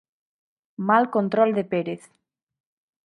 Mal control de Pérez.